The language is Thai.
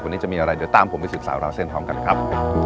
วันนี้จะมีอะไรเดี๋ยวตามผมไปสืบสาวราวเส้นพร้อมกันเลยครับ